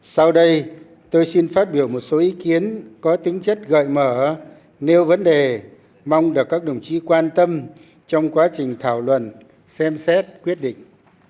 sau đây tôi xin phát biểu một số ý kiến có tính chất gợi mở nếu vấn đề mong được các đồng chí quan tâm trong quá trình thảo luận xem xét quyết định